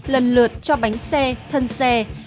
lần lượt cho bánh xe thân xe